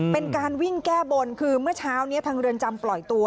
เป็นการวิ่งแก้บนคือเมื่อเช้านี้ทางเรือนจำปล่อยตัว